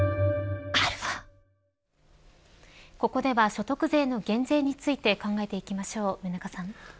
ここでは所得税の減税について考えていきましょう、上中さん。